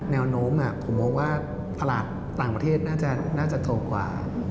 แนวโน้มผมมองว่าตลาดต่างประเทศน่าจะถูกกว่า